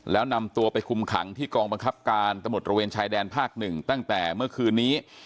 แล้วนำตัวไปคุมขังที่กองบังคับการตำรวจระเวนชายแดนภาคหนึ่งตั้งแต่เมื่อคืนนี้